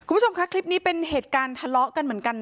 คุณผู้ชมคะคลิปนี้เป็นเหตุการณ์ทะเลาะกันเหมือนกัน